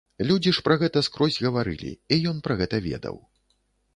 Людзі ж пра гэта скрозь гаварылі, і ён пра гэта ведаў.